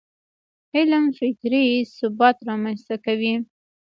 علم فکري ثبات رامنځته کوي.